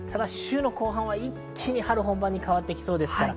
週の後半は一気に春本番に変わってきそうです。